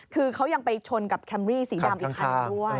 คือเขายังไปชนกับแคมรี่สีดำอีกคันด้วย